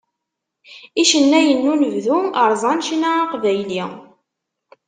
Icennayen n unebdu rẓan ccna aqbayli.